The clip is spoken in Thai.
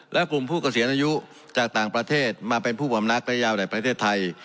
และกลุ่มผู้เกษียณอายุจากต่างประเทศมาเป็นผู้บำนักระยะยาวในประเทศไทย